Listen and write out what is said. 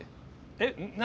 えっ何？